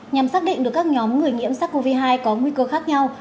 nhằm xác định được các nhóm người nghiễm sắc covid một mươi chín có nguy cơ khác nhau